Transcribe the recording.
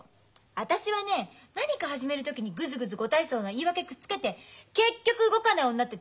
私はね何か始める時にグズグズご大層な言い訳くっつけて結局動かない女って大っ嫌いなのよ。